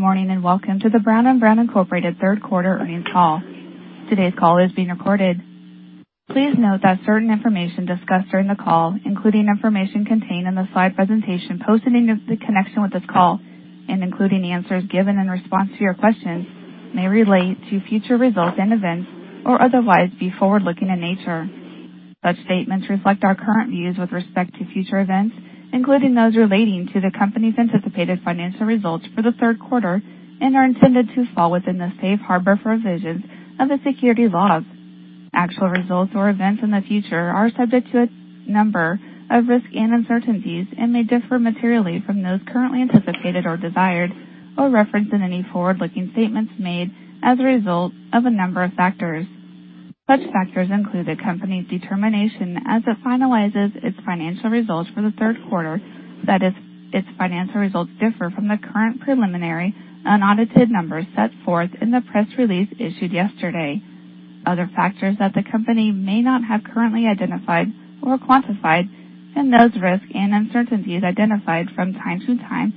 Good morning, and welcome to the Brown & Brown, Inc. third quarter earnings call. Today's call is being recorded. Please note that certain information discussed during the call, including information contained in the slide presentation posted in connection with this call and including answers given in response to your questions, may relate to future results and events or otherwise be forward-looking in nature. Such statements reflect our current views with respect to future events, including those relating to the company's anticipated financial results for the third quarter, and are intended to fall within the safe harbor provisions of the securities laws. Actual results or events in the future are subject to a number of risks and uncertainties and may differ materially from those currently anticipated or desired, or referenced in any forward-looking statements made as a result of a number of factors. Such factors include the company's determination as it finalizes its financial results for the third quarter, that is, its financial results differ from the current preliminary unaudited numbers set forth in the press release issued yesterday. Other factors that the company may not have currently identified or quantified and those risks and uncertainties identified from time to time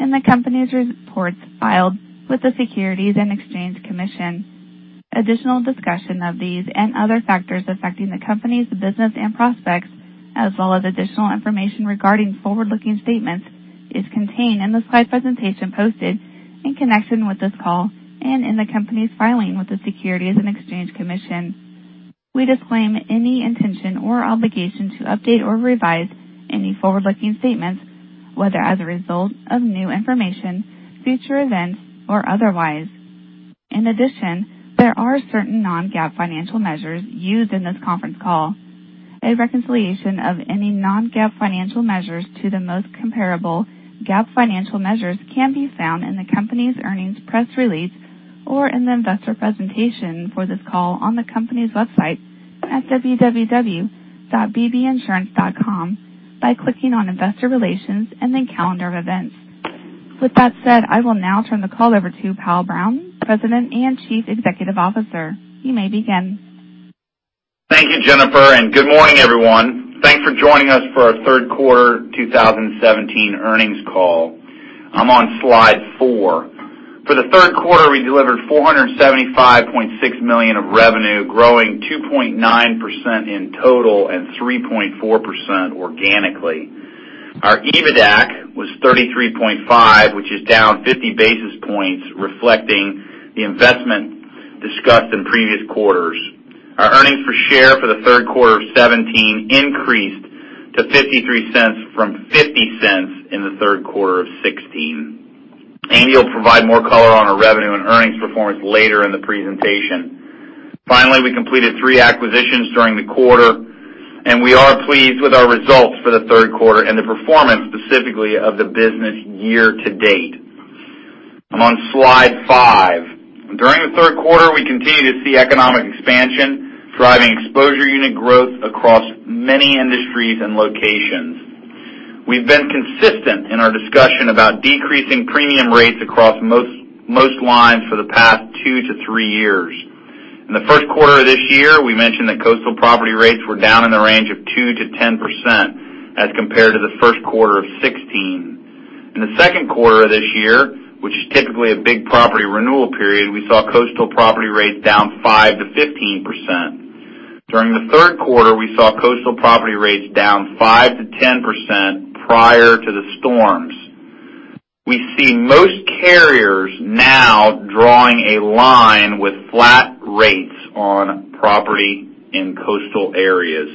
in the company's reports filed with the Securities and Exchange Commission. Additional discussion of these and other factors affecting the company's business and prospects, as well as additional information regarding forward-looking statements, is contained in the slide presentation posted in connection with this call and in the company's filing with the Securities and Exchange Commission. We disclaim any intention or obligation to update or revise any forward-looking statements, whether as a result of new information, future events, or otherwise. There are certain non-GAAP financial measures used in this conference call. A reconciliation of any non-GAAP financial measures to the most comparable GAAP financial measures can be found in the company's earnings press release or in the investor presentation for this call on the company's website at www.bbinsurance.com by clicking on Investor Relations and then Calendar of Events. I will now turn the call over to Powell Brown, President and Chief Executive Officer. You may begin. Thank you, Jennifer, good morning, everyone. Thanks for joining us for our third quarter 2017 earnings call. I'm on slide four. For the third quarter, we delivered $475.6 million of revenue, growing 2.9% in total and 3.4% organically. Our EBITDAC was 33.5%, which is down 50 basis points, reflecting the investment discussed in previous quarters. Our earnings per share for the third quarter of 2017 increased to $0.53 from $0.50 in the third quarter of 2016. Andy will provide more color on our revenue and earnings performance later in the presentation. Finally, we completed three acquisitions during the quarter, and we are pleased with our results for the third quarter and the performance specifically of the business year-to-date. I'm on slide five. During the third quarter, we continued to see economic expansion, driving exposure unit growth across many industries and locations. We've been consistent in our discussion about decreasing premium rates across most lines for the past two to three years. In the first quarter of this year, we mentioned that coastal property rates were down in the range of 2%-10% as compared to the first quarter of 2016. In the second quarter of this year, which is typically a big property renewal period, we saw coastal property rates down 5%-15%. During the third quarter, we saw coastal property rates down 5%-10% prior to the storms. We see most carriers now drawing a line with flat rates on property in coastal areas.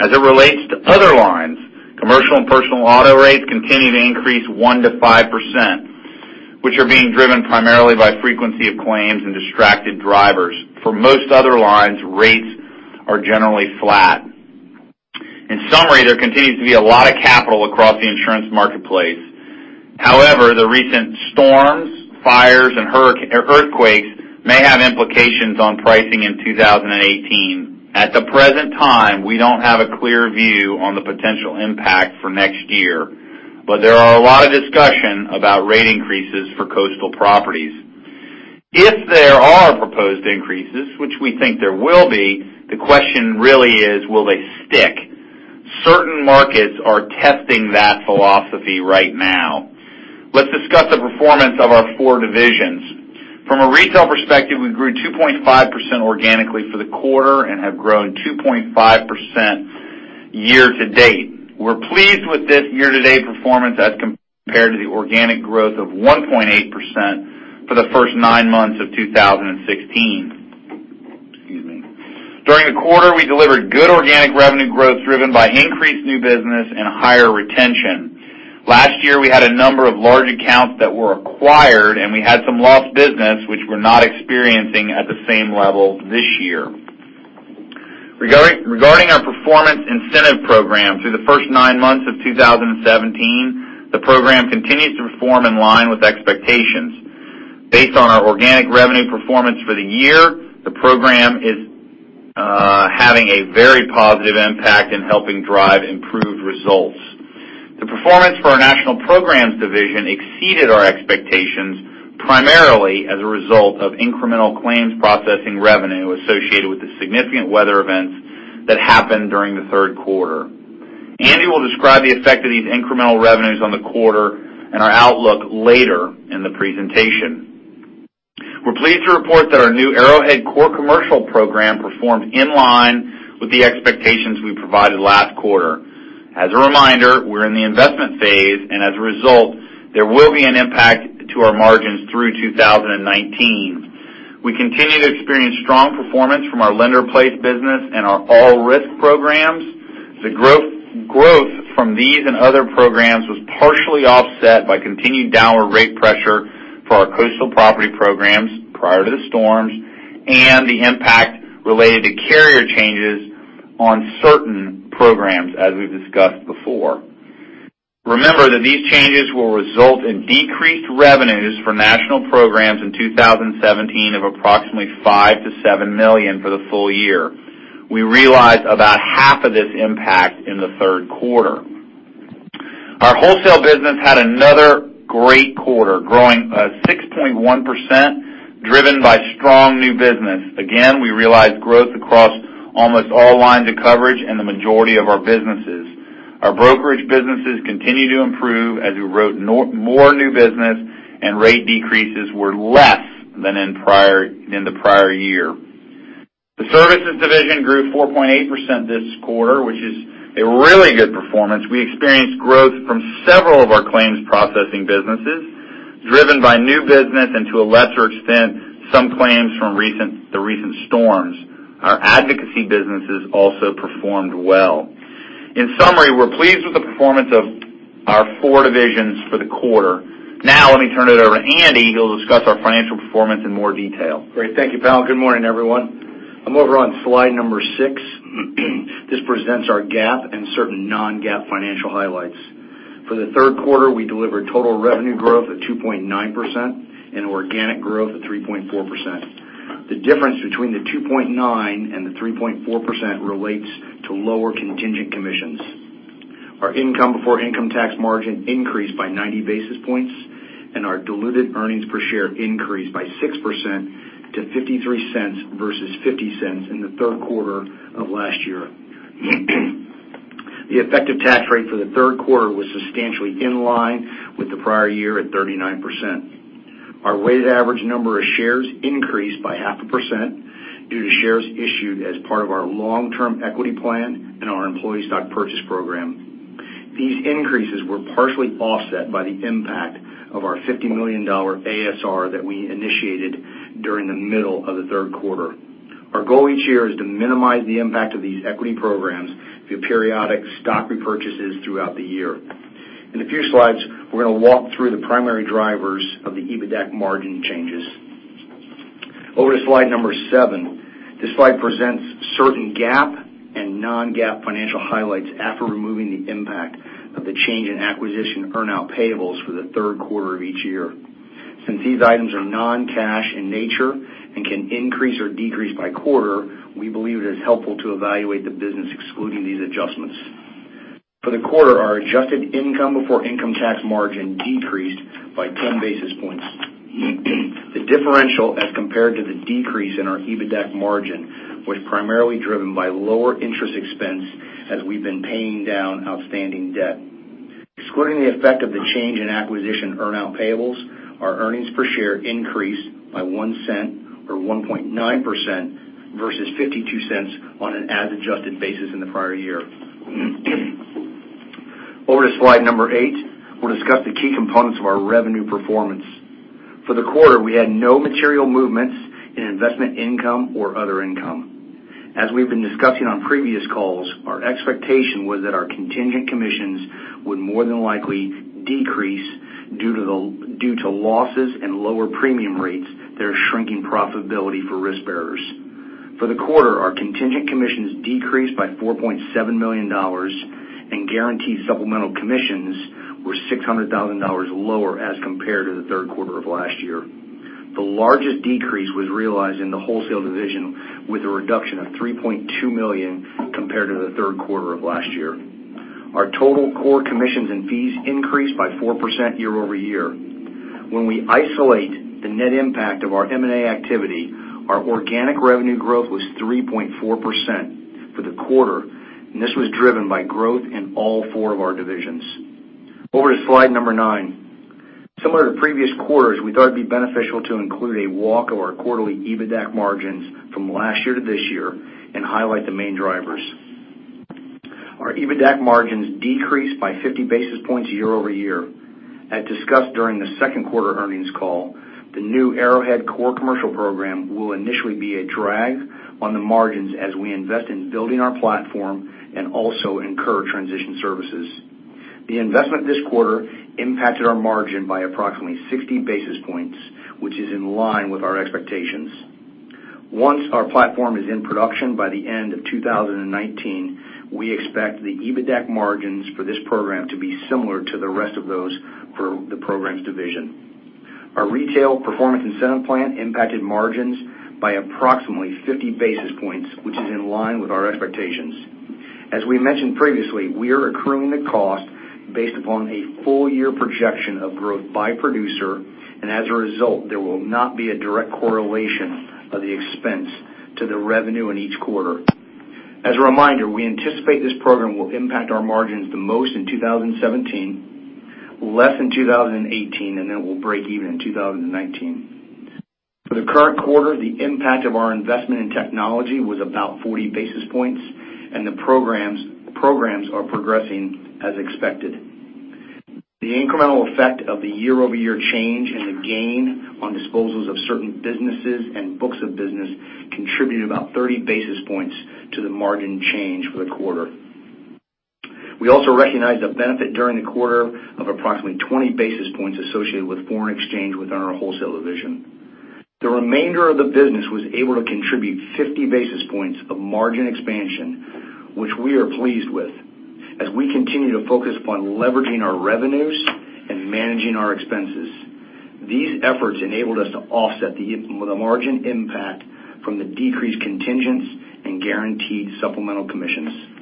As it relates to other lines, commercial and personal auto rates continue to increase 1%-5%, which are being driven primarily by frequency of claims and distracted drivers. For most other lines, rates are generally flat. In summary, there continues to be a lot of capital across the insurance marketplace. However, the recent storms, fires, and earthquakes may have implications on pricing in 2018. At the present time, we don't have a clear view on the potential impact for next year, but there are a lot of discussion about rate increases for coastal properties. If there are proposed increases, which we think there will be, the question really is, will they stick? Certain markets are testing that philosophy right now. Let's discuss the performance of our four divisions. From a retail perspective, we grew 2.5% organically for the quarter and have grown 2.5% year-to-date. We're pleased with this year-to-date performance as compared to the organic growth of 1.8% for the first nine months of 2016. Excuse me. During the quarter, we delivered good organic revenue growth driven by increased new business and higher retention. Last year, we had a number of large accounts that were acquired, and we had some lost business, which we're not experiencing at the same level this year. Regarding our performance incentive program through the first nine months of 2017, the program continues to perform in line with expectations. Based on our organic revenue performance for the year, the program is having a very positive impact in helping drive improved results. The performance for our National Programs division exceeded our expectations, primarily as a result of incremental claims processing revenue associated with the significant weather events that happened during the third quarter. Andy will describe the effect of these incremental revenues on the quarter and our outlook later in the presentation. We're pleased to report that our new Arrowhead Core Commercial program performed in line with the expectations we provided last quarter. As a reminder, we're in the investment phase, and as a result, there will be an impact to our margins through 2019. We continue to experience strong performance from our lender placed business and our all-risk programs. The growth from these and other programs was partially offset by continued downward rate pressure for our coastal property programs prior to the storms, and the impact related to carrier changes on certain programs, as we've discussed before. Remember that these changes will result in decreased revenues for National Programs in 2017 of approximately $5 million-$7 million for the full year. We realized about half of this impact in the third quarter. Our wholesale business had another great quarter, growing 6.1%, driven by strong new business. Again, we realized growth across almost all lines of coverage and the majority of our businesses. Our brokerage businesses continue to improve as we wrote more new business and rate decreases were less than in the prior year. The services division grew 4.8% this quarter, which is a really good performance. We experienced growth from several of our claims processing businesses, driven by new business and to a lesser extent, some claims from the recent storms. Our advocacy businesses also performed well. In summary, we're pleased with the performance of our four divisions for the quarter. Now, let me turn it over to Andy, who'll discuss our financial performance in more detail. Great. Thank you, pal. Good morning, everyone. I'm over on slide number six. This presents our GAAP and certain non-GAAP financial highlights. For the third quarter, we delivered total revenue growth of 2.9% and organic growth of 3.4%. The difference between the 2.9% and the 3.4% relates to lower contingent commissions. Our income before income tax margin increased by 90 basis points, and our diluted earnings per share increased by 6% to $0.53 versus $0.50 in the third quarter of last year. The effective tax rate for the third quarter was substantially in line with the prior year at 39%. Our weighted average number of shares increased by half a percent due to shares issued as part of our long-term equity plan and our employee stock purchase program. These increases were partially offset by the impact of our $50 million ASR that we initiated during the middle of the third quarter. Our goal each year is to minimize the impact of these equity programs through periodic stock repurchases throughout the year. In a few slides, we're going to walk through the primary drivers of the EBITDAC margin changes. Over to slide number seven. This slide presents certain GAAP and non-GAAP financial highlights after removing the impact of the change in acquisition earn-out payables for the third quarter of each year. Since these items are non-cash in nature and can increase or decrease by quarter, we believe it is helpful to evaluate the business excluding these adjustments. For the quarter, our adjusted income before income tax margin decreased by 10 basis points. The differential as compared to the decrease in our EBITDAC margin was primarily driven by lower interest expense as we've been paying down outstanding debt. Excluding the effect of the change in acquisition earn-out payables, our earnings per share increased by $0.01 or 1.9% versus $0.52 on an as adjusted basis in the prior year. Over to slide number eight, we'll discuss the key components of our revenue performance. For the quarter, we had no material movements in investment income or other income. As we've been discussing on previous calls, our expectation was that our contingent commissions would more than likely decrease due to losses and lower premium rates that are shrinking profitability for risk bearers. For the quarter, our contingent commissions decreased by $4.7 million, and guaranteed supplemental commissions were $600,000 lower as compared to the third quarter of last year. The largest decrease was realized in the wholesale division, with a reduction of $3.2 million compared to the third quarter of last year. Our total core commissions and fees increased by 4% year-over-year. When we isolate the net impact of our M&A activity, our organic revenue growth was 3.4% for the quarter, and this was driven by growth in all four of our divisions. Over to slide number nine. Similar to previous quarters, we thought it'd be beneficial to include a walk of our quarterly EBITDAC margins from last year to this year and highlight the main drivers. Our EBITDAC margins decreased by 50 basis points year-over-year. As discussed during the second quarter earnings call, the new Arrowhead Core Commercial program will initially be a drag on the margins as we invest in building our platform and also incur transition services. The investment this quarter impacted our margin by approximately 60 basis points, which is in line with our expectations. Once our platform is in production by the end of 2019, we expect the EBITDAC margins for this program to be similar to the rest of those for the programs division. Our retail performance incentive plan impacted margins by approximately 50 basis points, which is in line with our expectations. As we mentioned previously, we are accruing the cost based upon a full year projection of growth by producer, and as a result, there will not be a direct correlation of the expense to the revenue in each quarter. As a reminder, we anticipate this program will impact our margins the most in 2017, less in 2018, and then we'll break even in 2019. For the current quarter, the impact of our investment in technology was about 40 basis points, and the programs are progressing as expected. The incremental effect of the year-over-year change and the gain on disposals of certain businesses and books of business contributed about 30 basis points to the margin change for the quarter. We also recognized a benefit during the quarter of approximately 20 basis points associated with foreign exchange within our wholesale division. The remainder of the business was able to contribute 50 basis points of margin expansion, which we are pleased with, as we continue to focus upon leveraging our revenues and managing our expenses. These efforts enabled us to offset the margin impact from the decreased contingents and guaranteed supplemental commissions.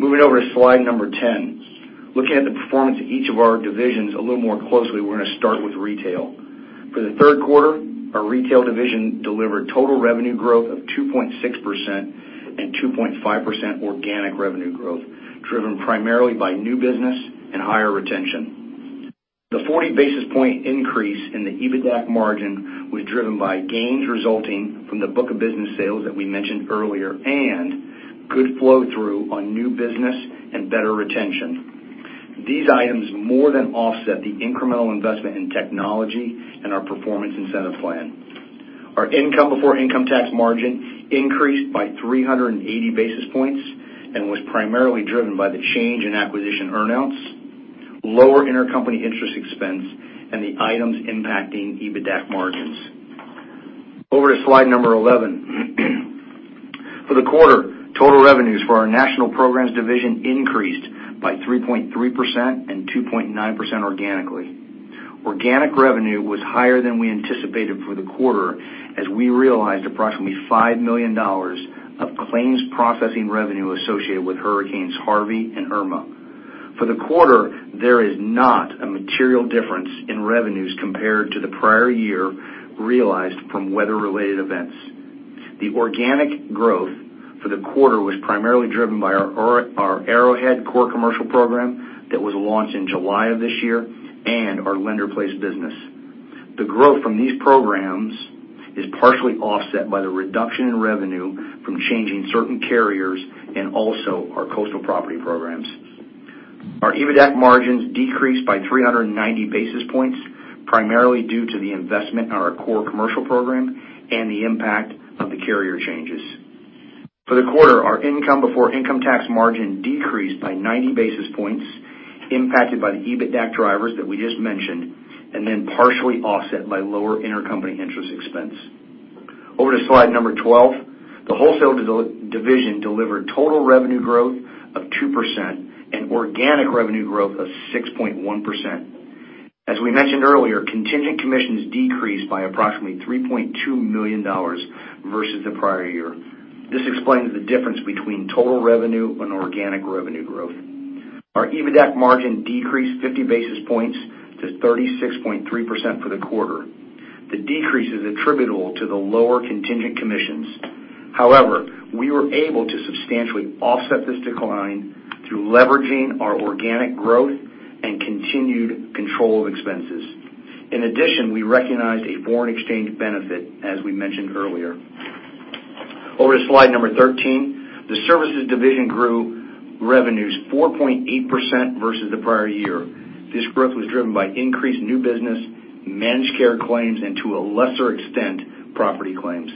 Moving over to slide number 10. Looking at the performance of each of our divisions a little more closely, we're going to start with retail. For the third quarter, our retail division delivered total revenue growth of 2.6% and 2.5% organic revenue growth, driven primarily by new business and higher retention. The 40 basis point increase in the EBITDA margin was driven by gains resulting from the book of business sales that we mentioned earlier and good flow-through on new business and better retention. These items more than offset the incremental investment in technology and our performance incentive plan. Our income before income tax margin increased by 380 basis points and was primarily driven by the change in acquisition earn-outs, lower intercompany interest expense, and the items impacting EBITDA margins. Over to slide number 11. For the quarter, total revenues for our national programs division increased by 3.3% and 2.9% organically. Organic revenue was higher than we anticipated for the quarter, as we realized approximately $5 million of claims processing revenue associated with Hurricane Harvey and Hurricane Irma. For the quarter, there is not a material difference in revenues compared to the prior year realized from weather-related events. The organic growth for the quarter was primarily driven by our Arrowhead Core Commercial program that was launched in July of this year and our lender-placed business. The growth from these programs is partially offset by the reduction in revenue from changing certain carriers and also our coastal property programs. Our EBITDA margins decreased by 390 basis points, primarily due to the investment in our Core Commercial program and the impact of the carrier changes. For the quarter, our income before income tax margin decreased by 90 basis points, impacted by the EBITDA drivers that we just mentioned, and then partially offset by lower intercompany interest expense. Over to slide number 12. The wholesale division delivered total revenue growth of 2% and organic revenue growth of 6.1%. As we mentioned earlier, contingent commissions decreased by approximately $3.2 million versus the prior year. This explains the difference between total revenue and organic revenue growth. Our EBITDA margin decreased 50 basis points to 36.3% for the quarter. The decrease is attributable to the lower contingent commissions. However, we were able to substantially offset this decline through leveraging our organic growth and continued control of expenses. In addition, we recognized a foreign exchange benefit, as we mentioned earlier. Over to slide number 13. The services division grew revenues 4.8% versus the prior year. This growth was driven by increased new business, managed care claims, and to a lesser extent, property claims.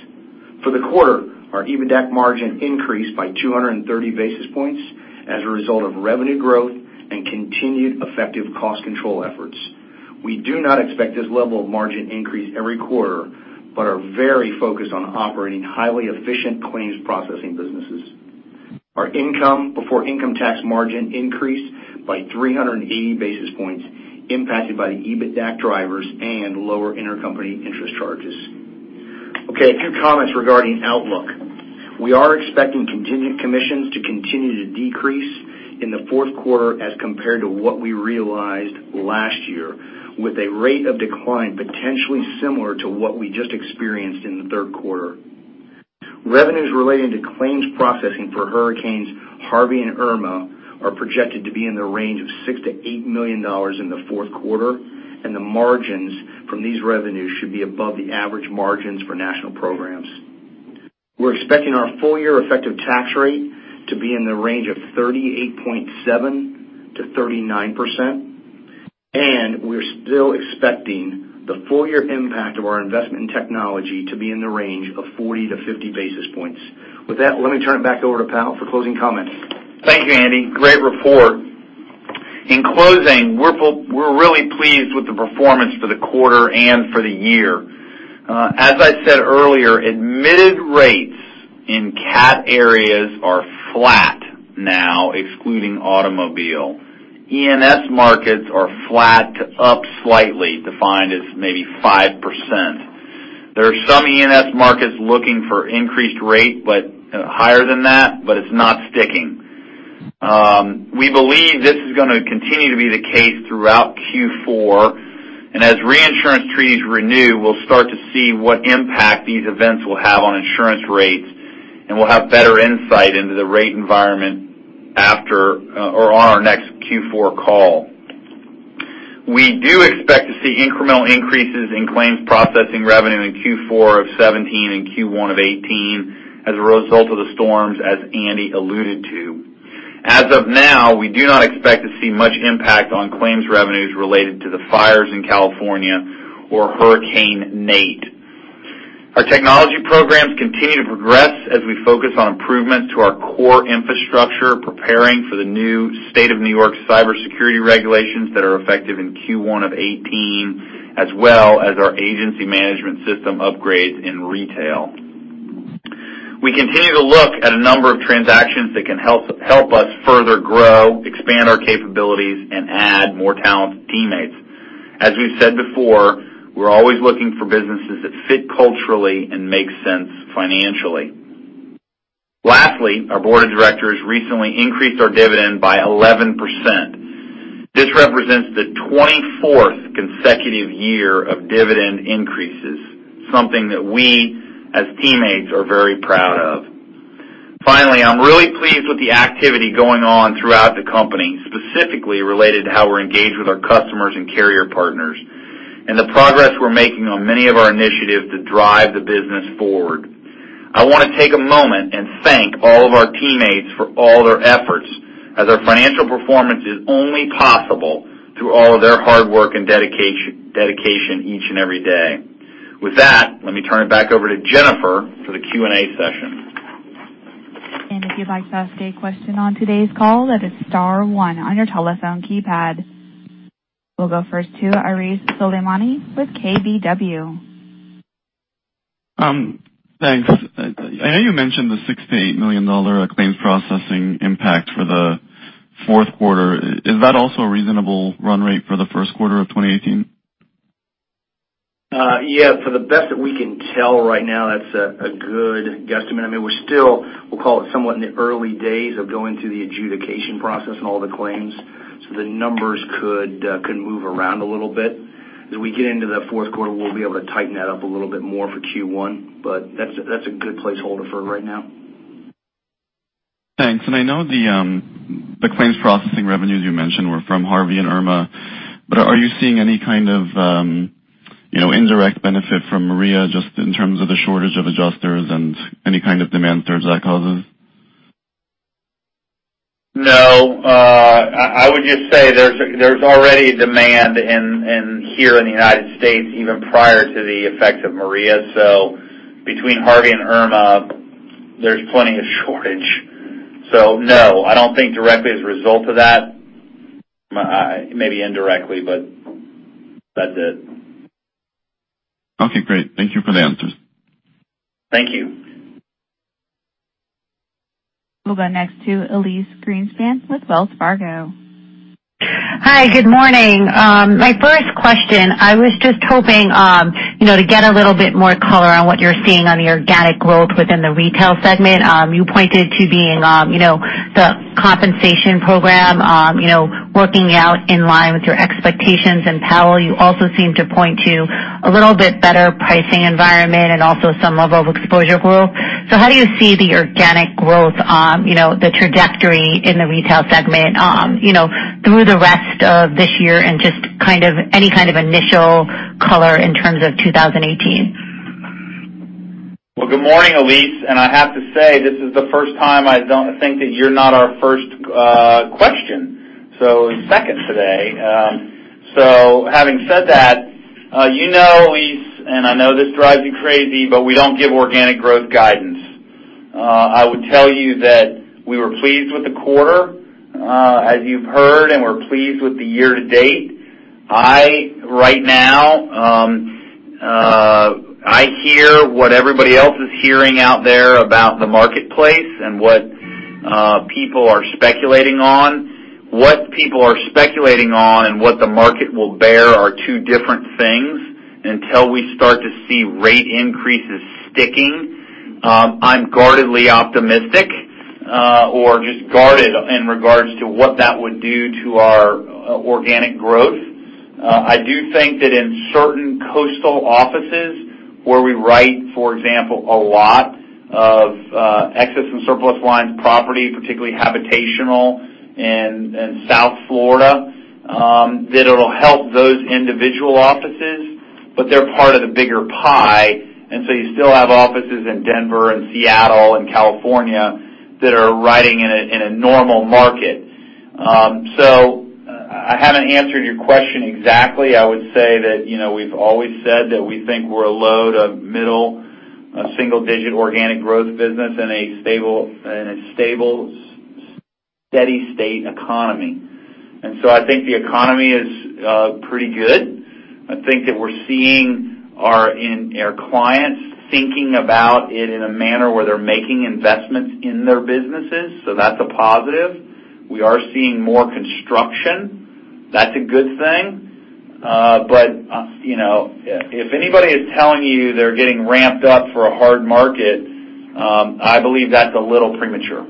For the quarter, our EBITDA margin increased by 230 basis points as a result of revenue growth and continued effective cost control efforts. We do not expect this level of margin increase every quarter, but are very focused on operating highly efficient claims processing businesses. Our income before income tax margin increased by 380 basis points, impacted by the EBITDA drivers and lower intercompany interest charges. Okay, a few comments regarding outlook. We are expecting contingent commissions to continue to decrease in the fourth quarter as compared to what we realized last year, with a rate of decline potentially similar to what we just experienced in the third quarter. Revenues relating to claims processing for Hurricane Harvey and Hurricane Irma are projected to be in the range of $6 million-$8 million in the fourth quarter, and the margins from these revenues should be above the average margins for national programs. We're expecting our full-year effective tax rate to be in the range of 38.7%-39%, and we're still expecting the full-year impact of our investment in technology to be in the range of 40 to 50 basis points. With that, let me turn it back over to Powell for closing comments. Thank you, Andy. Great report. In closing, we're really pleased with the performance for the quarter and for the year. As I said earlier, admitted rates in cat areas are flat now, excluding automobile. E&S markets are flat to up slightly, defined as maybe 5%. There are some E&S markets looking for increased rate higher than that, but it's not sticking. We believe this is going to continue to be the case throughout Q4. As reinsurance treaties renew, we'll start to see what impact these events will have on insurance rates, and we'll have better insight into the rate environment on our next Q4 call. We do expect to see incremental increases in claims processing revenue in Q4 of 2017 and Q1 of 2018 as a result of the storms, as Andy alluded to. As of now, we do not expect to see much impact on claims revenues related to the fires in California or Hurricane Nate. Our technology programs continue to progress as we focus on improvements to our core infrastructure, preparing for the new state of New York cybersecurity regulations that are effective in Q1 of 2018, as well as our agency management system upgrades in retail. We continue to look at a number of transactions that can help us further grow, expand our capabilities, and add more talented teammates. As we've said before, we're always looking for businesses that fit culturally and make sense financially. Lastly, our board of directors recently increased our dividend by 11%. This represents the 24th consecutive year of dividend increases, something that we, as teammates, are very proud of. Finally, I'm really pleased with the activity going on throughout the company, specifically related to how we're engaged with our customers and carrier partners, and the progress we're making on many of our initiatives to drive the business forward. I want to take a moment and thank all of our teammates for all their efforts, as our financial performance is only possible through all of their hard work and dedication each and every day. With that, let me turn it back over to Jennifer for the Q&A session. If you'd like to ask a question on today's call, that is star one on your telephone keypad. We'll go first to Arash Soleimani with KBW. Thanks. I know you mentioned the $6 million-$8 million claims processing impact for the fourth quarter. Is that also a reasonable run rate for the first quarter of 2018? Yeah, for the best that we can tell right now, that's a good guesstimate. I mean, we're still, we'll call it, somewhat in the early days of going through the adjudication process and all the claims. The numbers could move around a little bit. As we get into the fourth quarter, we'll be able to tighten that up a little bit more for Q1. That's a good placeholder for right now. Thanks. I know the claims processing revenues you mentioned were from Hurricane Harvey and Hurricane Irma. Are you seeing any kind of indirect benefit from Hurricane Maria, just in terms of the shortage of adjusters and any kind of demand surge that causes? No. I would just say there's already demand here in the United States, even prior to the effect of Hurricane Maria. Between Hurricane Harvey and Hurricane Irma, there's plenty of shortage. No, I don't think directly as a result of that. Maybe indirectly. That's it. Okay, great. Thank you for the answers. Thank you. We'll go next to Elyse Greenspan with Wells Fargo. Hi, good morning. My first question, I was just hoping to get a little bit more color on what you're seeing on the organic growth within the retail segment. You pointed to being the compensation program working out in line with your expectations and Powell, you also seem to point to a little bit better pricing environment and also some level of exposure growth. How do you see the organic growth, the trajectory in the retail segment through the rest of this year and just any kind of initial color in terms of 2018? Well, good morning, Elyse. I have to say, this is the first time I think that you're not our first question. Second today. Having said that, you know, Elyse, and I know this drives you crazy, but we don't give organic growth guidance. I would tell you that we were pleased with the quarter, as you've heard, and we're pleased with the year to date. Right now, I hear what everybody else is hearing out there about the marketplace and what people are speculating on. What people are speculating on and what the market will bear are two different things. Until we start to see rate increases sticking, I'm guardedly optimistic or just guarded in regards to what that would do to our organic growth. I do think that in certain coastal offices where we write, for example, a lot of Excess and Surplus lines property, particularly habitational in South Florida, that it'll help those individual offices, but they're part of the bigger pie. You still have offices in Denver and Seattle and California that are writing in a normal market. I haven't answered your question exactly. I would say that we've always said that we think we're a low to middle single-digit organic growth business in a stable, steady state economy. I think the economy is pretty good. I think that we're seeing our clients thinking about it in a manner where they're making investments in their businesses. That's a positive. We are seeing more construction. That's a good thing. If anybody is telling you they're getting ramped up for a hard market, I believe that's a little premature.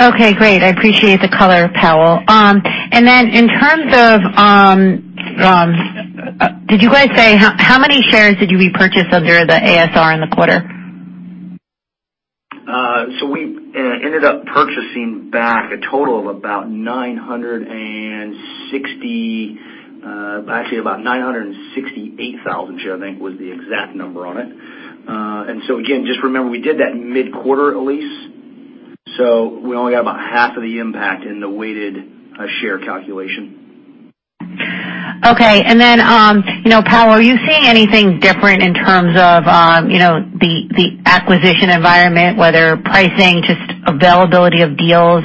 Okay, great. I appreciate the color, Powell. Did you guys say how many shares did you repurchase under the ASR in the quarter? We ended up purchasing back a total of about 968,000 share, I think, was the exact number on it. Again, just remember, we did that mid-quarter, Elyse, so we only got about half of the impact in the weighted share calculation. Okay. Powell, are you seeing anything different in terms of the acquisition environment, whether pricing, just availability of deals,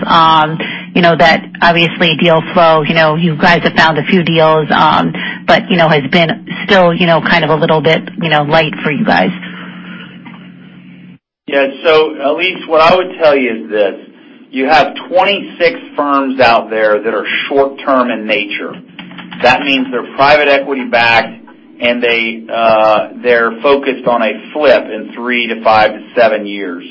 that obviously deal flow. You guys have found a few deals, but has been still kind of a little bit light for you guys. Yeah. Elyse, what I would tell you is this, you have 26 firms out there that are short-term in nature. That means they're private equity backed, and they're focused on a flip in three to five to seven years.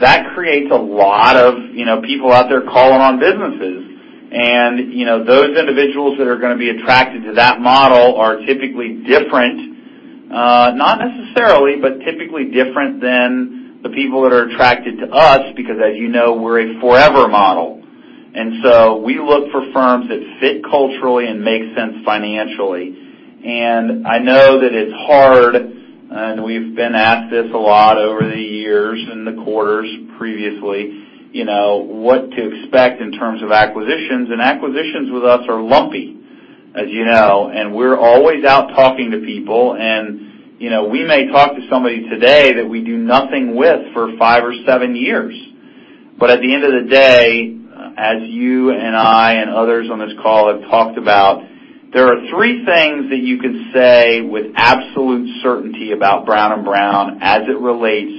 That creates a lot of people out there calling on businesses. Those individuals that are going to be attracted to that model are typically different. Not necessarily, but typically different than the people that are attracted to us because as you know, we're a forever model. We look for firms that fit culturally and make sense financially. I know that it's hard, and we've been asked this a lot over the years and the quarters previously, what to expect in terms of acquisitions, and acquisitions with us are lumpy, as you know. We're always out talking to people, and we may talk to somebody today that we do nothing with for five or seven years. At the end of the day, as you and I and others on this call have talked about, there are three things that you can say with absolute certainty about Brown & Brown as it relates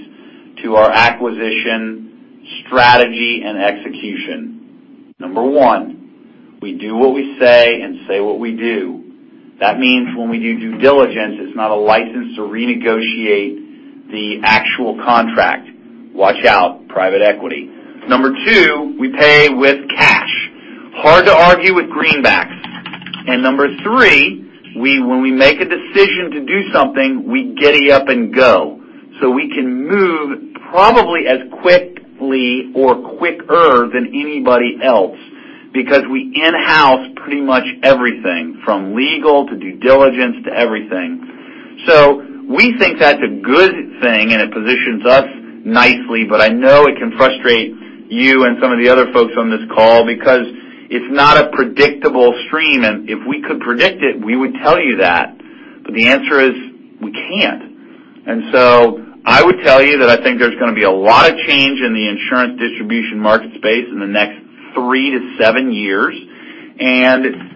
to our acquisition, strategy, and execution. Number one, we do what we say and say what we do. That means when we do due diligence, it's not a license to renegotiate the actual contract. Watch out, private equity. Number two, we pay with cash. Hard to argue with greenbacks. Number three, when we make a decision to do something, we giddy up and go. We can move probably as quickly or quicker than anybody else because we in-house pretty much everything from legal to due diligence to everything. We think that's a good thing and it positions us nicely, but I know it can frustrate you and some of the other folks on this call because it's not a predictable stream, and if we could predict it, we would tell you that. The answer is we can't. I would tell you that I think there's going to be a lot of change in the insurance distribution market space in the next three to seven years.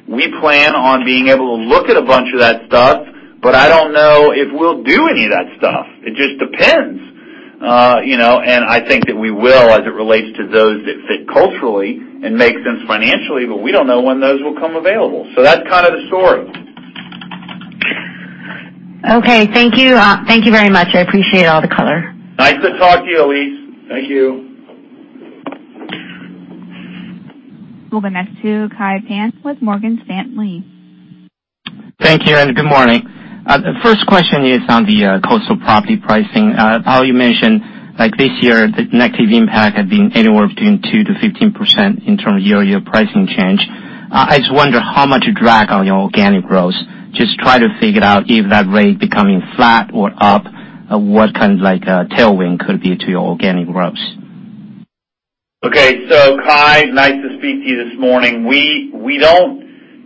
We plan on being able to look at a bunch of that stuff, but I don't know if we'll do any of that stuff. It just depends. I think that we will as it relates to those that fit culturally and make sense financially, but we don't know when those will come available. That's kind of the story. Okay, thank you. Thank you very much. I appreciate all the color. Nice to talk to you, Elyse. Thank you. We'll go next to Kai Pan with Morgan Stanley. Thank you, good morning. First question is on the coastal property pricing. Powell, you mentioned this year the negative impact had been anywhere between 2%-15% in terms of year-over-year pricing change. I just wonder how much a drag on your organic growth. Just try to figure out if that rate becoming flat or up, what kind of tailwind could be to your organic growth? Kai, nice to speak to you this morning.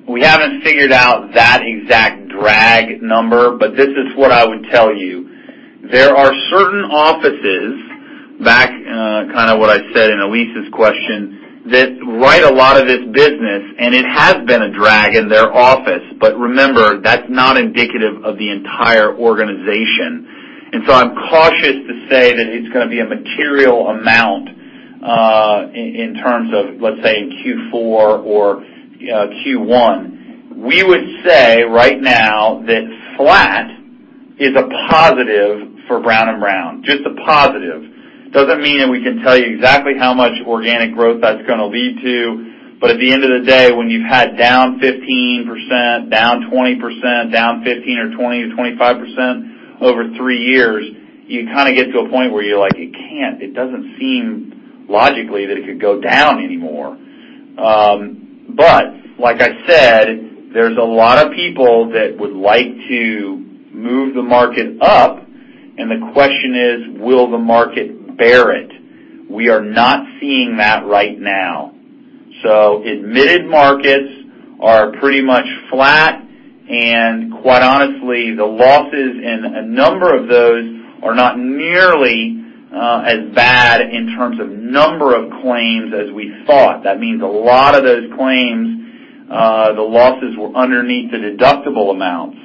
We haven't figured out that exact drag number, but this is what I would tell you. There are certain offices, back kind of what I said in Elyse's question, that write a lot of this business, and it has been a drag in their office. Remember, that's not indicative of the entire organization. I'm cautious to say that it's going to be a material amount, in terms of, let's say, in Q4 or Q1. We would say right now that flat is a positive for Brown & Brown. Just a positive. Doesn't mean that we can tell you exactly how much organic growth that's going to lead to. At the end of the day, when you've had down 15%, down 20%, down 15% or 20%-25% over three years, you kind of get to a point where you're like, "It can't. It doesn't seem logically that it could go down anymore." Like I said, there's a lot of people that would like to move the market up, and the question is: Will the market bear it? We are not seeing that right now. Admitted markets are pretty much flat, and quite honestly, the losses in a number of those are not nearly as bad in terms of number of claims as we thought. That means a lot of those claims, the losses were underneath the deductible amount.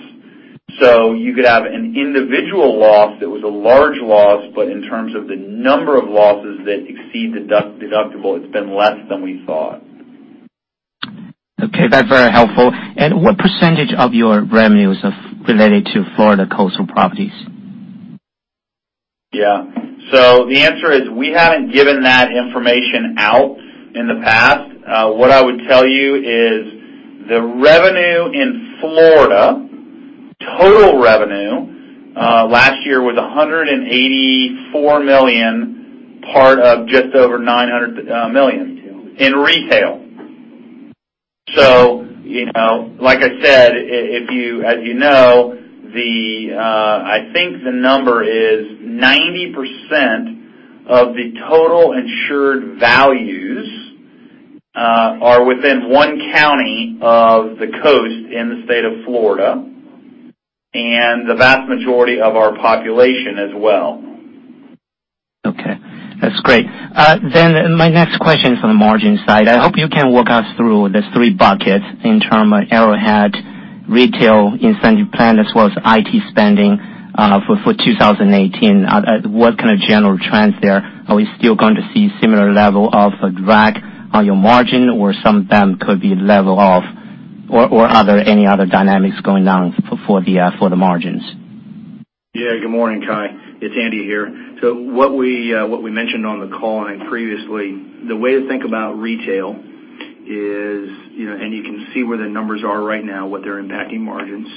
You could have an individual loss that was a large loss, but in terms of the number of losses that exceed the deductible, it's been less than we thought. Okay. That's very helpful. What % of your revenues are related to Florida coastal properties? The answer is we haven't given that information out in the past. What I would tell you is the revenue in Florida, total revenue, last year was $184 million, part of just over $900 million in retail. Like I said, as you know, I think the number is 90% of the total insured values are within one county of the coast in the state of Florida, and the vast majority of our population as well. Okay. That's great. My next question is on the margin side. I hope you can walk us through these three buckets in term of Arrowhead retail incentive plan as well as IT spending for 2018. What kind of general trends there? Are we still going to see similar level of drag on your margin or some of them could be level off or are there any other dynamics going on for the margins? Yeah. Good morning, Kai. It's Andy here. What we mentioned on the call and previously, the way to think about retail is, and you can see where the numbers are right now, what they're impacting margins.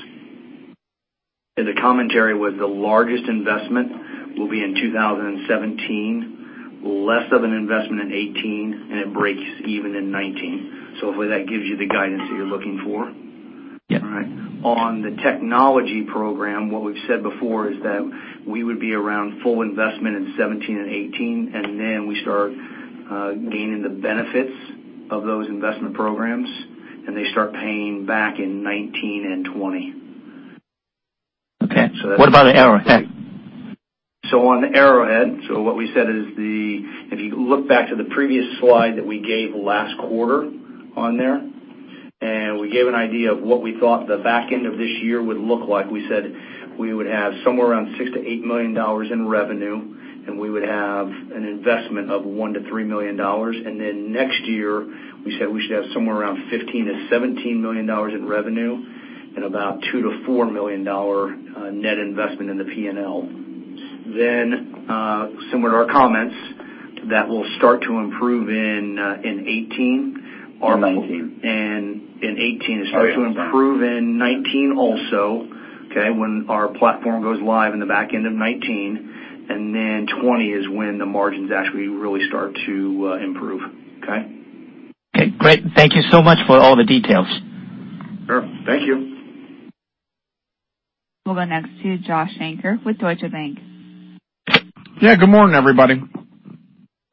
The commentary was the largest investment will be in 2017, less of an investment in 2018, and it breaks even in 2019. Hopefully that gives you the guidance that you're looking for. Yeah. All right. On the technology program, what we've said before is that we would be around full investment in 2017 and 2018, and then we start gaining the benefits of those investment programs, and they start paying back in 2019 and 2020. Okay. What about the Arrowhead? On Arrowhead, so what we said is if you look back to the previous slide that we gave last quarter on there, and we gave an idea of what we thought the back end of this year would look like. We said we would have somewhere around $6 million-$8 million in revenue, and we would have an investment of $1 million-$3 million. Next year, we said we should have somewhere around $15 million-$17 million in revenue and about $2 million-$4 million net investment in the P&L. Similar to our comments, that will start to improve in 2018. In 2019. In 2018. It start to improve in 2019 also, okay? When our platform goes live in the back end of 2019, and then 2020 is when the margins actually really start to improve. Okay? Okay, great. Thank you so much for all the details. Sure. Thank you. We'll go next to Joshua Shanker with Deutsche Bank. Yeah, good morning, everybody.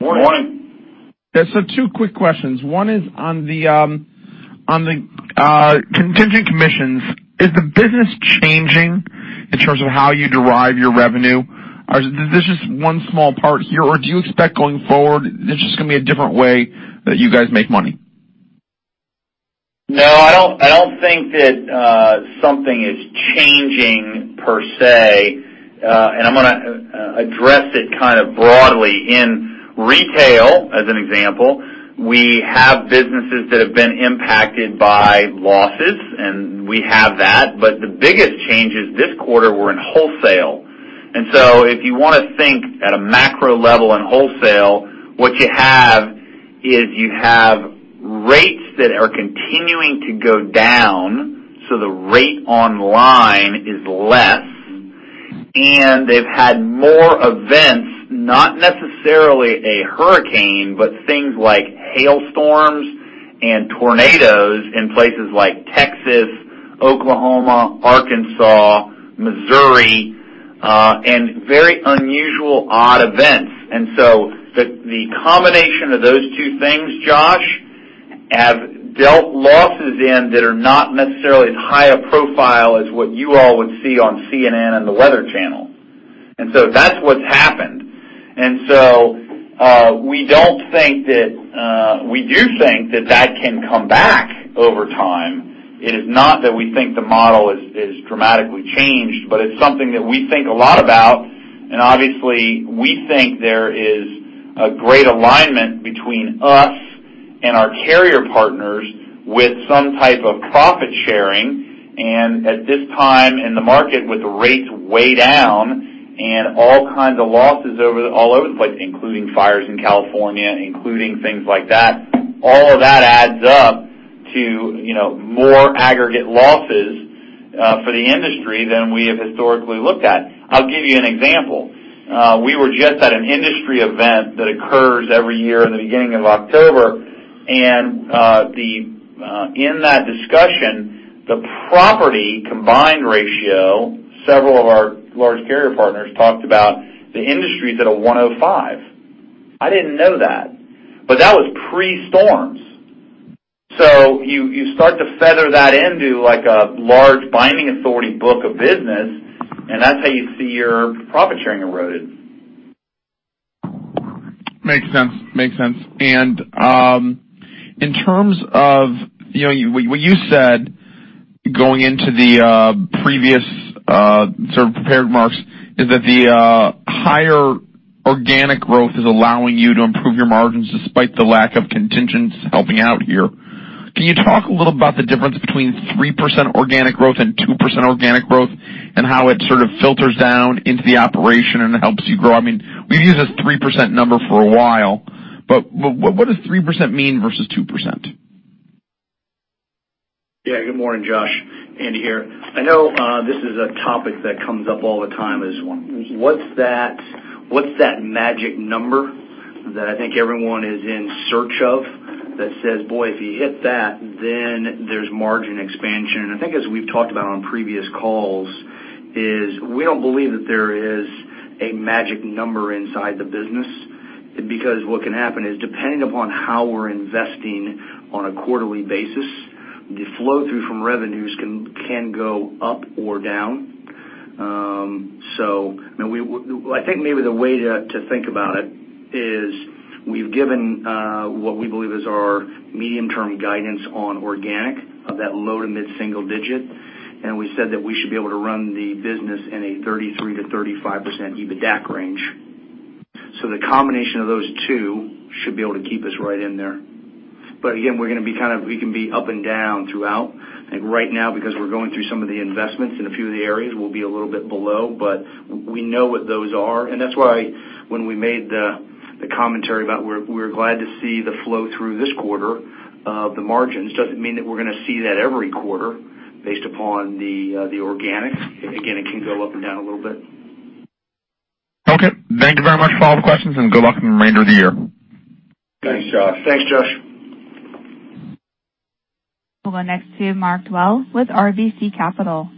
Morning. Yeah, two quick questions. One is on the contingent commissions. Is the business changing in terms of how you derive your revenue? Is this just one small part here? Do you expect going forward, this is just going to be a different way that you guys make money? No, I don't think that something is changing per se. I'm going to address it kind of broadly. In retail, as an example, we have businesses that have been impacted by losses, and we have that. The biggest changes this quarter were in wholesale. If you want to think at a macro level in wholesale, what you have is you have rates that are continuing to go down, so the rate online is less. They've had more events, not necessarily a hurricane, but things like hailstorms and tornadoes in places like Texas, Oklahoma, Arkansas, Missouri, and very unusual, odd events. The combination of those two things, Josh, have dealt losses in that are not necessarily as high a profile as what you all would see on CNN and The Weather Channel. That's what's happened. We do think that that can come back over time. It is not that we think the model is dramatically changed, but it's something that we think a lot about. Obviously, we think there is a great alignment between us and our carrier partners with some type of profit sharing. At this time in the market, with rates way down and all kinds of losses all over the place, including fires in California, including things like that, all of that adds up to more aggregate losses for the industry than we have historically looked at. I'll give you an example. We were just at an industry event that occurs every year in the beginning of October, and in that discussion, the property combined ratio, several of our large carrier partners talked about the industry's at a 105%. I didn't know that, but that was pre-storms. You start to feather that into a large binding authority book of business, and that's how you see your profit sharing eroded. Makes sense. In terms of what you said going into the previous sort of prepared remarks is that the higher organic growth is allowing you to improve your margins despite the lack of contingents helping out here. Can you talk a little about the difference between 3% organic growth and 2% organic growth, and how it sort of filters down into the operation and helps you grow? We've used this 3% number for a while, but what does 3% mean versus 2%? Yeah. Good morning, Josh. Andy here. I know this is a topic that comes up all the time, is what's that magic number that I think everyone is in search of that says, boy, if you hit that, then there's margin expansion. I think as we've talked about on previous calls is we don't believe that there is a magic number inside the business, because what can happen is, depending upon how we're investing on a quarterly basis, the flow-through from revenues can go up or down. I think maybe the way to think about it is we've given what we believe is our medium-term guidance on organic of that low- to mid-single digit, and we said that we should be able to run the business in a 33%-35% EBITDAC range. The combination of those two should be able to keep us right in there. Again, we can be up and down throughout. I think right now, because we're going through some of the investments in a few of the areas, we'll be a little bit below, but we know what those are. That's why when we made the commentary about we're glad to see the flow-through this quarter of the margins, doesn't mean that we're going to see that every quarter based upon the organic. Again, it can go up and down a little bit. Okay. Thank you very much for all the questions, and good luck on the remainder of the year. Thanks, Josh. We'll go next to Mark Dwelle with RBC Capital.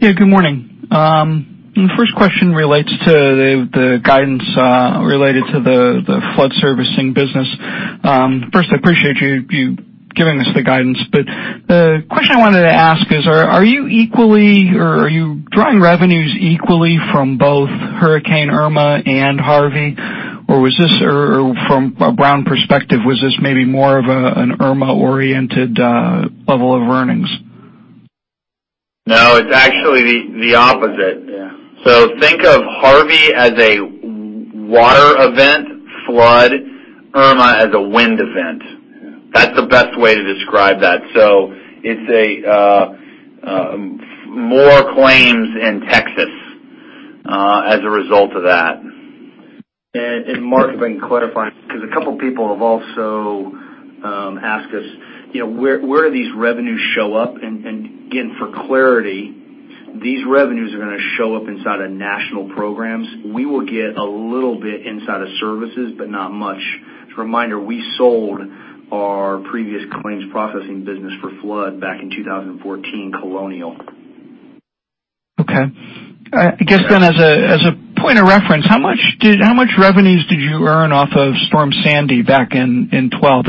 Yeah, good morning. The first question relates to the guidance related to the flood servicing business. First, I appreciate you giving us the guidance. The question I wanted to ask is, are you drawing revenues equally from both Hurricane Irma and Hurricane Harvey? From a Brown perspective, was this maybe more of an Hurricane Irma-oriented level of earnings? No, it's actually the opposite. Yeah. Think of Hurricane Harvey as a water event flood, Hurricane Irma as a wind event. Yeah. That's the best way to describe that. It's more claims in Texas as a result of that. Mark, if I can clarify, because a couple people have also asked us where do these revenues show up? Again, for clarity, these revenues are going to show up inside of National Programs. We will get a little bit inside of Services, but not much. As a reminder, we sold our previous claims processing business for flood back in 2014, Colonial. Okay. I guess then as a point of reference, how much revenues did you earn off of Hurricane Sandy back in 2012?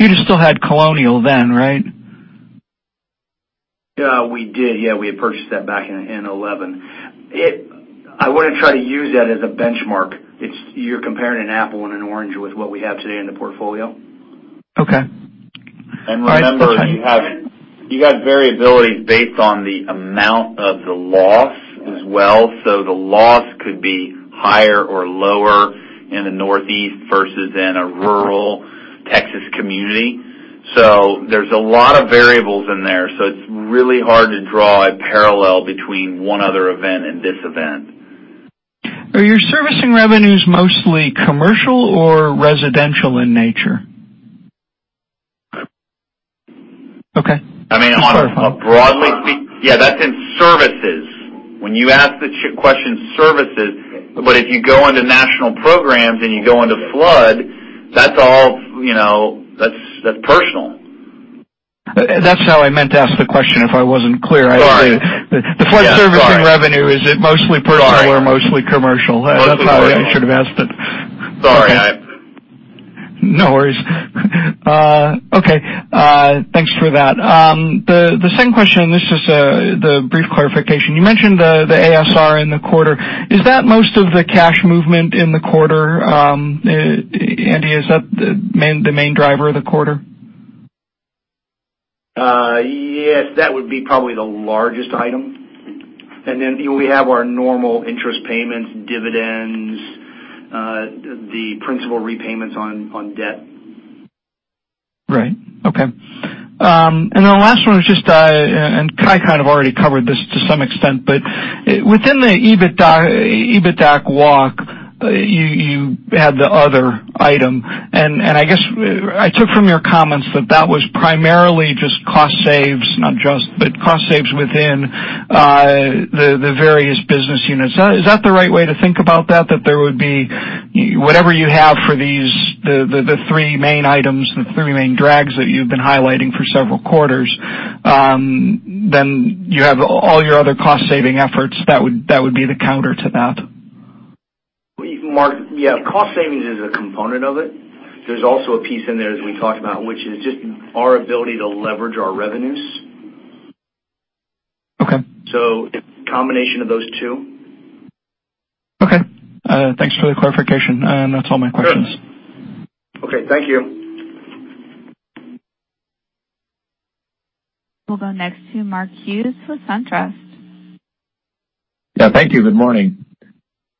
You just still had Colonial then, right? Yeah, we did. Yeah. We had purchased that back in 2011. I wouldn't try to use that as a benchmark. You're comparing an apple and an orange with what we have today in the portfolio. Okay. Remember, you got variabilities based on the amount of the loss as well. The loss could be higher or lower in the Northeast versus in a rural Texas community. There's a lot of variables in there. It's really hard to draw a parallel between one other event and this event. Are your servicing revenues mostly commercial or residential in nature? Okay. Yeah, that's in services. When you ask the question, services. If you go into national programs and you go into flood, that's personal. That's how I meant to ask the question, if I wasn't clear. Sorry. The flood servicing revenue, is it mostly personal or mostly commercial? That's the way I should have asked it. Sorry. No worries. Okay. Thanks for that. The second question. This is the brief clarification. You mentioned the ASR in the quarter. Is that most of the cash movement in the quarter, Andy? Is that the main driver of the quarter? Yes. That would be probably the largest item. Then we have our normal interest payments, dividends, the principal repayments on debt. Right. Okay. The last one was just. Kai kind of already covered this to some extent. Within the EBITDAC walk, you had the other item. I took from your comments that that was primarily just cost saves, not just, but cost saves within the various business units. Is that the right way to think about that? That there would be whatever you have for the 3 main items, the 3 main drags that you've been highlighting for several quarters, then you have all your other cost-saving efforts, that would be the counter to that? Mark, yeah. Cost savings is a component of it. There's also a piece in there, as we talked about, which is just our ability to leverage our revenues A combination of those two. Okay. Thanks for the clarification. That's all my questions. Good. Okay, thank you. We'll go next to Mark Hughes with SunTrust. Yeah, thank you. Good morning.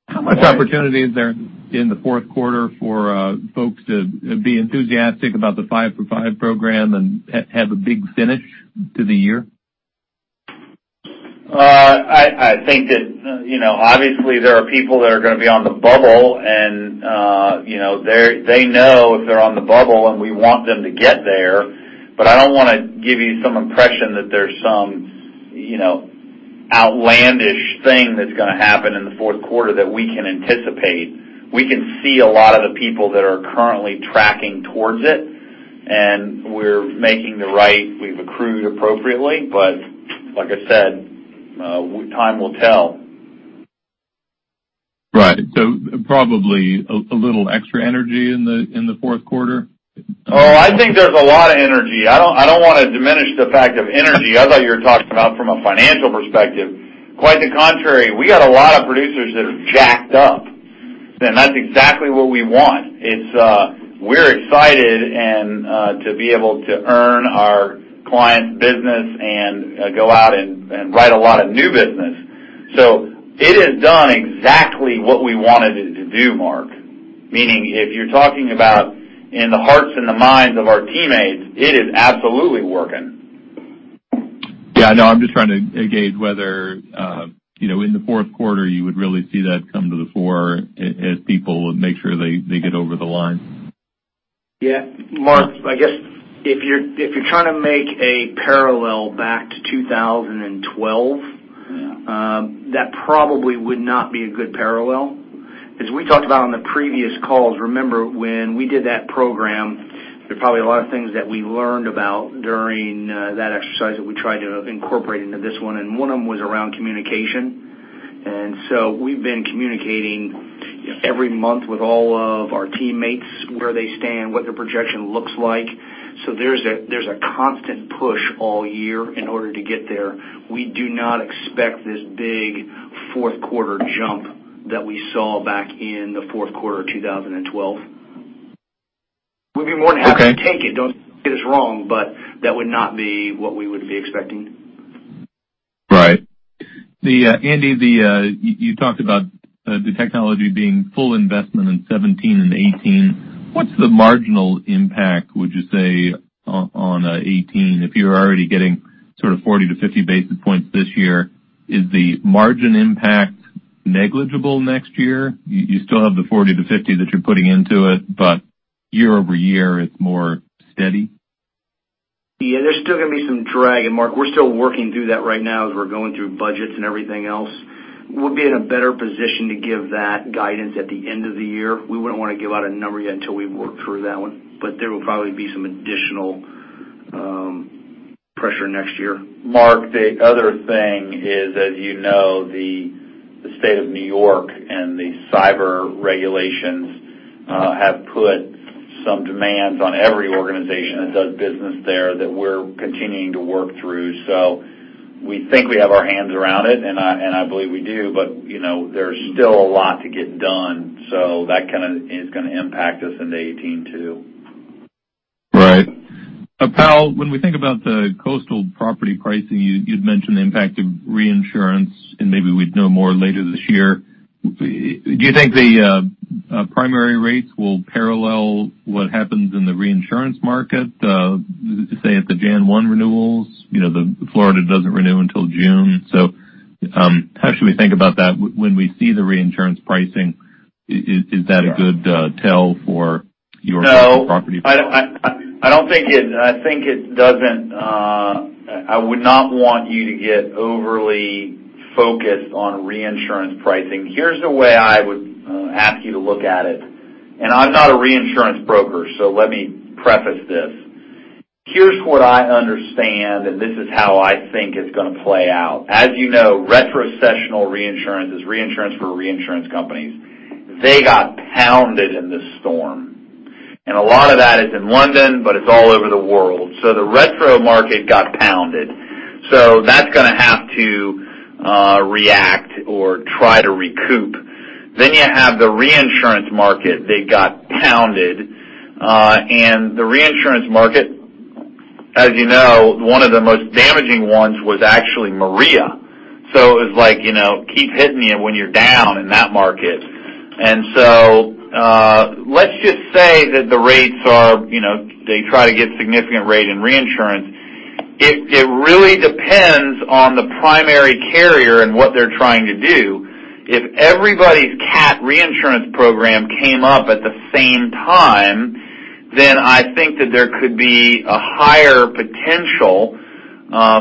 How much opportunity is there in the fourth quarter for folks to be enthusiastic about the Five for Five program and have a big finish to the year? I think that, obviously, there are people that are going to be on the bubble, and they know if they're on the bubble, and we want them to get there. I don't want to give you some impression that there's some outlandish thing that's going to happen in the fourth quarter that we can anticipate. We can see a lot of the people that are currently tracking towards it, and we've accrued appropriately. Like I said, time will tell. Right. Probably a little extra energy in the fourth quarter? Oh, I think there's a lot of energy. I don't want to diminish the fact of energy. I thought you were talking about from a financial perspective. Quite the contrary. We got a lot of producers that are jacked up, and that's exactly what we want. We're excited to be able to earn our clients' business and go out and write a lot of new business. It has done exactly what we wanted it to do, Mark. Meaning, if you're talking about in the hearts and the minds of our teammates, it is absolutely working. Yeah, I know. I'm just trying to gauge whether in the fourth quarter you would really see that come to the fore as people make sure they get over the line. Yeah. Mark, I guess if you're trying to make a parallel back to 2012. Yeah That probably would not be a good parallel. As we talked about on the previous calls, remember when we did that program, there are probably a lot of things that we learned about during that exercise that we tried to incorporate into this one, and one of them was around communication. We've been communicating every month with all of our teammates, where they stand, what their projection looks like. There's a constant push all year in order to get there. We do not expect this big fourth quarter jump that we saw back in the fourth quarter of 2012. We'd be more than happy to take it. Okay Don't get us wrong, that would not be what we would be expecting. Right. Andy, you talked about the technology being full investment in 2017 and 2018. What's the marginal impact, would you say, on 2018? If you're already getting sort of 40 to 50 basis points this year, is the margin impact negligible next year? You still have the 40 to 50 that you're putting into it, but year-over-year, it's more steady? Yeah, there's still going to be some drag. Mark, we're still working through that right now as we're going through budgets and everything else. We'll be in a better position to give that guidance at the end of the year. We wouldn't want to give out a number yet until we've worked through that one. There will probably be some additional pressure next year. Mark, the other thing is, as you know, the state of New York and the cyber regulations have put some demands on every organization that does business there that we're continuing to work through. We think we have our hands around it, and I believe we do, there's still a lot to get done. That kind of is going to impact us into 2018 too. Right. Powell, when we think about the coastal property pricing, you'd mentioned the impact of reinsurance, and maybe we'd know more later this year. Do you think the primary rates will parallel what happens in the reinsurance market, say, at the January 1 renewals? Florida doesn't renew until June. How should we think about that when we see the reinsurance pricing? Is that a good tell for your- No property? I would not want you to get overly focused on reinsurance pricing. Here's the way I would ask you to look at it. I'm not a reinsurance broker, so let me preface this. Here's what I understand, and this is how I think it's going to play out. As you know, retrocessional reinsurance is reinsurance for reinsurance companies. They got pounded in this storm. A lot of that is in London, but it's all over the world. The retro market got pounded. That's going to have to react or try to recoup. You have the reinsurance market. They got pounded. The reinsurance market, as you know, one of the most damaging ones was actually Maria. It was like keep hitting you when you're down in that market. Let's just say that the rates are, they try to get significant rate in reinsurance. It really depends on the primary carrier and what they're trying to do. If everybody's cat reinsurance program came up at the same time, then I think that there could be a higher potential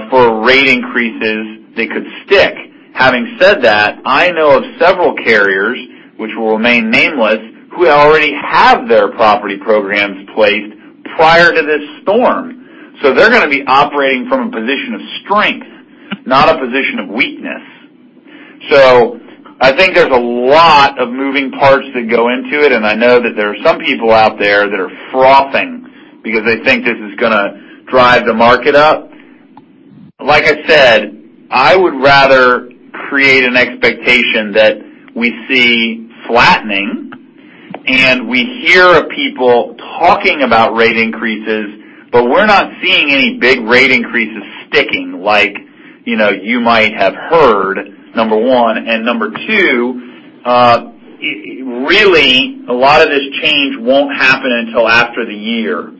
for rate increases that could stick. Having said that, I know of several carriers, which will remain nameless, who already have their property programs placed prior to this storm. They're going to be operating from a position of strength, not a position of weakness. I think there's a lot of moving parts that go into it, and I know that there are some people out there that are frothing because they think this is going to drive the market up. Like I said, I would rather create an expectation that we see flattening, and we hear of people talking about rate increases, but we're not seeing any big rate increases sticking, like you might have heard, number one. Number two, really, a lot of this change won't happen until after the year.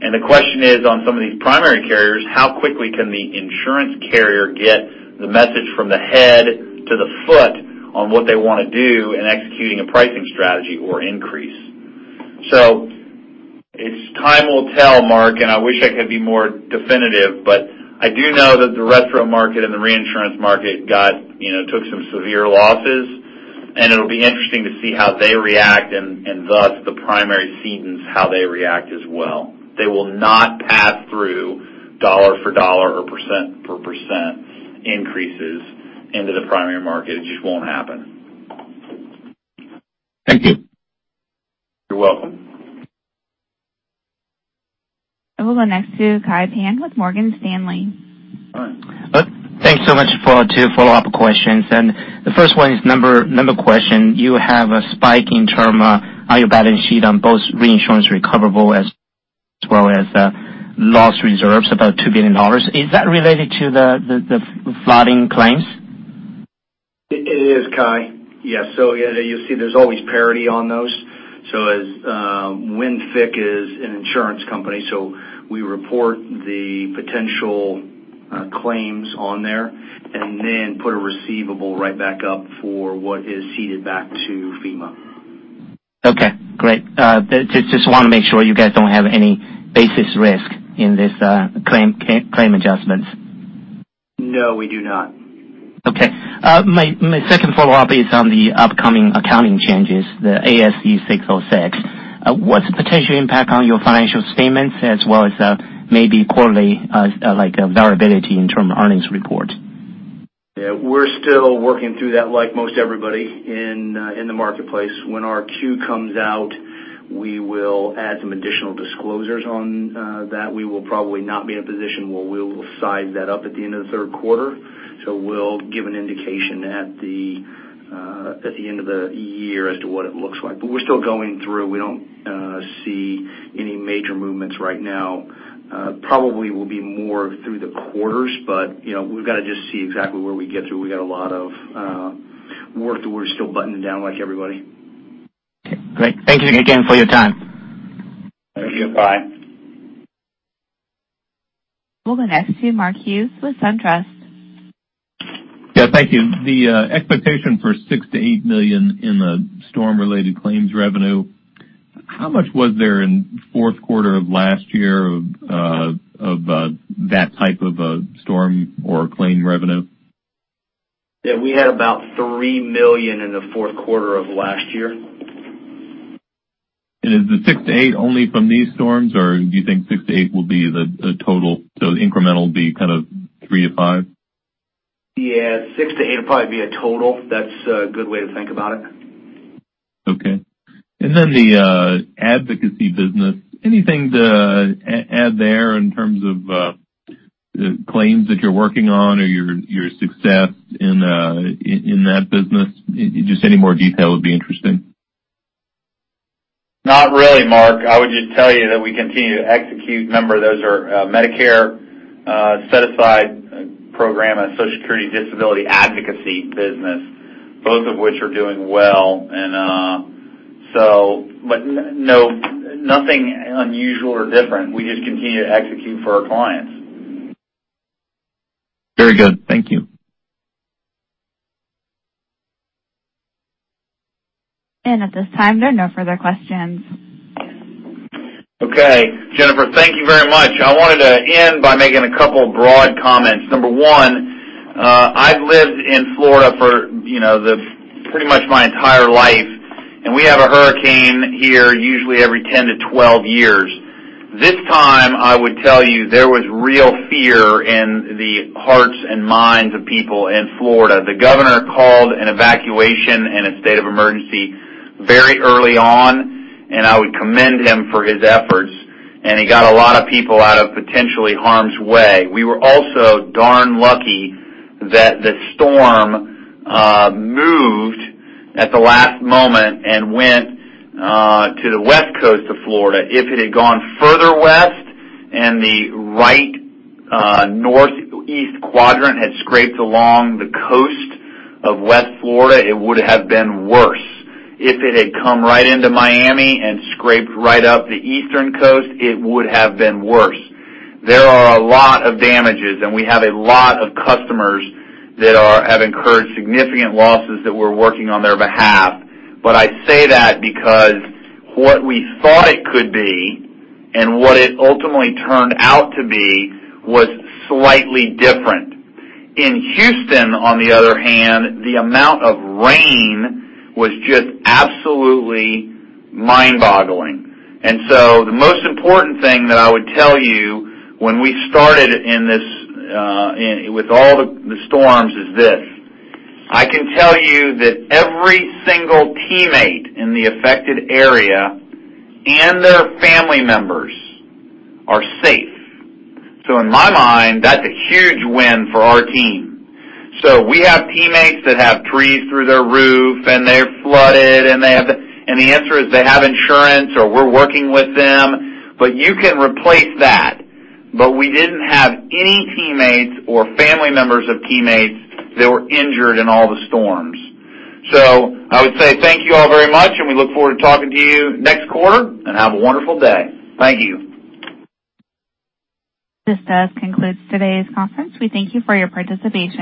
The question is, on some of these primary carriers, how quickly can the insurance carrier get the message from the head to the foot on what they want to do in executing a pricing strategy or increase? Time will tell, Mark, and I wish I could be more definitive, but I do know that the retro market and the reinsurance market took some severe losses, and it'll be interesting to see how they react, and thus, the primary cedents, how they react as well. They will not pass through dollar for dollar or percent for percent increases into the primary market. It just won't happen. Thank you. You're welcome. We'll go next to Kai Pan with Morgan Stanley. All right. Thanks so much for two follow-up questions. The first one is number question. You have a spike in term on your balance sheet on both reinsurance recoverable as well as loss reserves, about $2 billion. Is that related to the flooding claims? It is, Kai. Yes. You'll see there's always parity on those. As Wright Flood is an insurance company, we report the potential claims on there and then put a receivable right back up for what is ceded back to FEMA. Okay, great. Just want to make sure you guys don't have any basis risk in this claim adjustments. No, we do not. Okay. My second follow-up is on the upcoming accounting changes, the ASC 606. What's the potential impact on your financial statements as well as maybe quarterly variability in term earnings report? Yeah, we're still working through that like most everybody in the marketplace. When our Q comes out, we will add some additional disclosures on that. We will probably not be in a position where we will side that up at the end of the third quarter. We'll give an indication at the end of the year as to what it looks like. We're still going through. We don't see any major movements right now. Probably will be more through the quarters, but we've got to just see exactly where we get to. We got a lot of work that we're still buttoning down, like everybody. Okay, great. Thank you again for your time. Thank you. Bye. We'll go next to Mark Hughes with SunTrust. Yeah. Thank you. The expectation for $6 million-$8 million in the storm-related claims revenue, how much was there in fourth quarter of last year of that type of a storm or claim revenue? Yeah, we had about $3 million in the fourth quarter of last year. Is the $6 million-$8 million only from these storms, or do you think $6 million-$8 million will be the total, so the incremental will be kind of $3 million-$5 million? Yeah, six to eight will probably be a total. That is a good way to think about it. Okay. The advocacy business. Anything to add there in terms of claims that you are working on or your success in that business? Just any more detail would be interesting. Not really, Mark. I would just tell you that we continue to execute. Remember, those are Medicare set-aside program and Social Security disability advocacy business, both of which are doing well. No, nothing unusual or different. We just continue to execute for our clients. Very good. Thank you. At this time, there are no further questions. Okay. Jennifer, thank you very much. I wanted to end by making a couple broad comments. Number one, I've lived in Florida for pretty much my entire life, and we have a hurricane here usually every 10 years-12 years. This time, I would tell you, there was real fear in the hearts and minds of people in Florida. The governor called an evacuation and a state of emergency very early on, and I would commend him for his efforts. He got a lot of people out of potentially harm's way. We were also darn lucky that the storm moved at the last moment and went to the west coast of Florida. If it had gone further west and the right northeast quadrant had scraped along the coast of West Florida, it would have been worse. If it had come right into Miami and scraped right up the eastern coast, it would have been worse. There are a lot of damages, and we have a lot of customers that have incurred significant losses that we're working on their behalf. I say that because what we thought it could be and what it ultimately turned out to be was slightly different. In Houston, on the other hand, the amount of rain was just absolutely mind-boggling. The most important thing that I would tell you when we started with all the storms is this. I can tell you that every single teammate in the affected area and their family members are safe. In my mind, that's a huge win for our team. We have teammates that have trees through their roof, and they're flooded, and the answer is they have insurance, or we're working with them. You can replace that. We didn't have any teammates or family members of teammates that were injured in all the storms. I would say thank you all very much, and we look forward to talking to you next quarter, and have a wonderful day. Thank you. This does conclude today's conference. We thank you for your participation.